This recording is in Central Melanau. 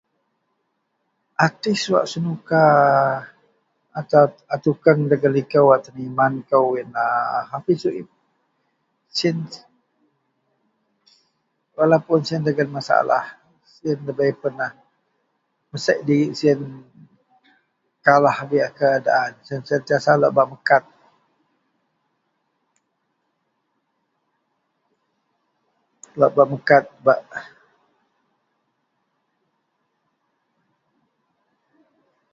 Artis wak senuka atau a tukeang dagen liko wak teniman kou ien lah.. [unintelligible] siyen .......walau puon siyen dagen masalah siyen da bei pernah mesek dirik siyen.... kalah buyak keadaan siyen sentiasa lok bak mekat.... lok bak mekat bak.....